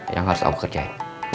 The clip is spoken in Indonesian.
yang harus aku kerjain